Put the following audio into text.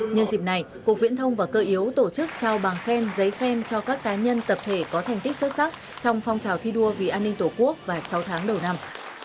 nhân dịp này cục viễn thông và cơ yếu tổ chức trao bằng khen giấy khen cho các cá nhân tập thể có thành tích xuất sắc trong phong trào thi đua vì an ninh tổ quốc và sáu tháng đầu năm